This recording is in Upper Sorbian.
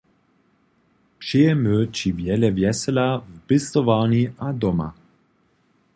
Přejemy ći wjele wjesela w pěstowarni a doma.